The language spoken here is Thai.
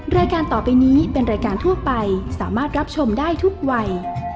รายการต่อไปนี้เป็นรายการทั่วไปสามารถรับชมได้ทุกวัย